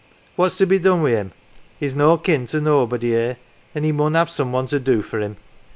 What's to be done wi' him ? He's no kin to nobody 'ere, an' he mun have some one to do for him.